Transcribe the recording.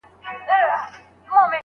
ښه وینا باید پرېنښودل سي.